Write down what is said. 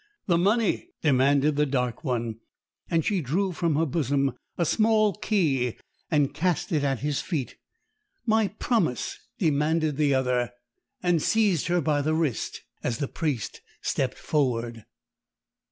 "The money!" demanded the dark one; and she drew from her bosom a small key and cast it at his feet. "My promise!" demanded the other, and seized her by the wrist as the priest stepped forward.